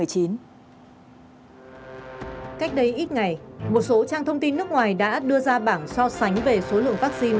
cách đây ít ngày một số trang thông tin nước ngoài đã đưa ra bảng so sánh về số lượng vaccine